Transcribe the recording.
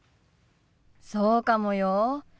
そうかもよ。